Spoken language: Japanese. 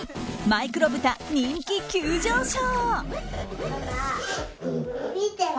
マイクロブタ人気急上昇。